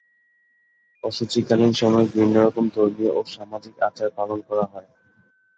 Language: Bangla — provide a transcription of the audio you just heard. অশুচিকালীন সময়ে বিভিন্ন রকম ধর্মীয় ও সামাজিক আচার পালন করা হয়।